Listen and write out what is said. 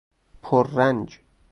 پررنج